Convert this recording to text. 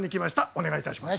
お願いいたします。